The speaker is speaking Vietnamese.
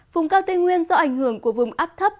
vùng cao tây nguyên do ảnh hưởng của vùng áp thấp